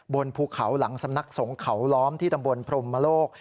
บนภูเขาหลังสำนักสงเขาล้อมที่ตำบลพรมโลก